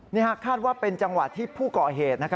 นี่ค่ะคาดว่าเป็นจังหวัดที่ผู้เกาะเหตุ